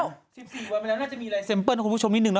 ๑๔วันไปแล้วน่าจะมีอะไรเซ็มเปิ้ลของคุณผู้ชมนิดหนึ่ง